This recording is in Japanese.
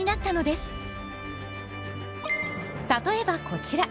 例えばこちら。